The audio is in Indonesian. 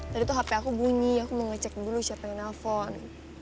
tadi tuh hp aku bunyi aku mau ngecek dulu siapa yang nelfon